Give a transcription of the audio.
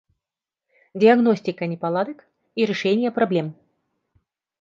Диагностика неполадок и решение проблем